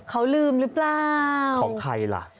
เขาลืมหรือเปล่าของใครล่ะ